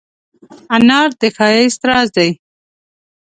انار د ښایست راز دی.